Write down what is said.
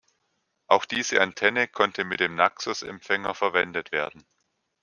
Auch diese Antenne konnte mit dem Naxos-Empfänger verwendet werden.